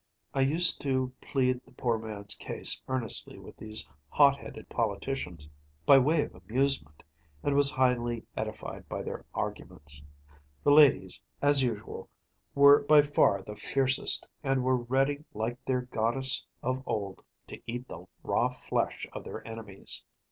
I used to plead the poor man’s case earnestly with these hot headed politicians, by way of amusement, and was highly edified by their arguments. The ladies, as usual, were by far the fiercest, and were ready, like their goddess of old, to eat the raw flesh of their enemies.